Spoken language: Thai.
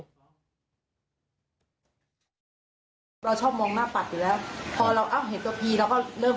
เราชอบมองหน้าปัดอยู่แล้ว